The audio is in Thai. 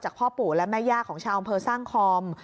พ่อปู่และแม่ย่าของชาวอำเภอสร้างคอม